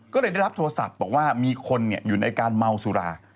ก็เลยได้รับโทรศัพท์บอกว่ามีคนอยู่ในการเมาสุรา